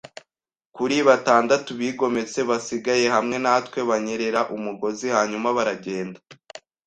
kuri batandatu bigometse basigaye hamwe natwe, banyerera umugozi, hanyuma baragenda